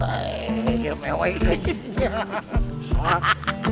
teeegh ya mewaih